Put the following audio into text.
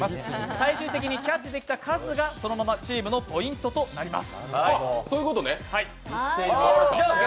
最終的にキャッチできた数がそのままチームのポイントとなります。